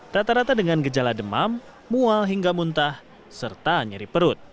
rata rata dengan gejala demam mual hingga muntah serta nyeri perut